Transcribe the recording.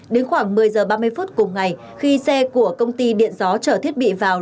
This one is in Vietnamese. đến khoảng một mươi h ba mươi phút cùng ngày khi xe của công ty điện gió trở thiết bị vào